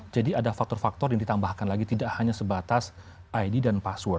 jadi ada faktor faktor yang ditambahkan lagi tidak hanya sebatas id dan password